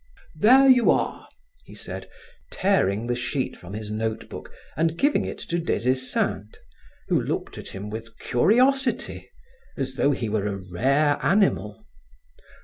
"There you are!" he said, tearing the sheet from his note book and giving it to Des Esseintes who looked at him with curiosity, as though he were a rare animal.